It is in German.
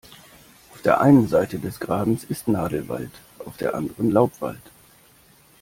Auf der einen Seite des Grabens ist Nadelwald, auf der anderen Laubwald.